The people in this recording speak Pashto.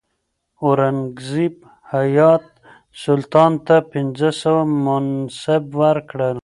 اورنګزیب حیات سلطان ته پنځه سوه منصب ورکړ.